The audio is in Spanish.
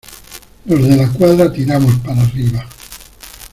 ¡ los De la Cuadra tiramos para arriba!